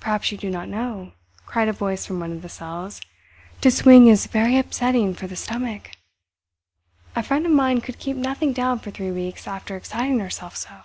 "Perhaps you do not know," cried a voice from one of the cells, "to swing is very upsetting for the stomach? A friend of mine could keep nothing down for three weeks after exciting herself so."